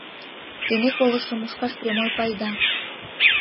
Тений колышым мушкаш прямой пайда.